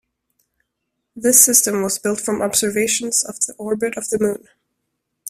This system was built from observations of the orbit of The Moon.